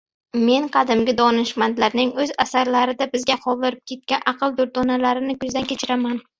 Men qadimgi donishmandlarning o‘z asarlarida bizga qoldirib ketgan aql durdonalarini ko‘zdan kechiraman;